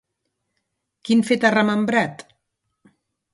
Quin fet ha remembrat?